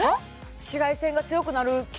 紫外線が強くなる季節